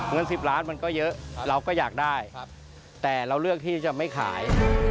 เงิน๑๐ล้านมันก็เยอะเราก็อยากได้แต่เราเลือกที่จะไม่ขาย